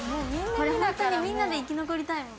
これホントにみんなで生き残りたいもん。